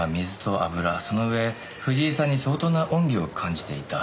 その上藤井さんに相当な恩義を感じていた。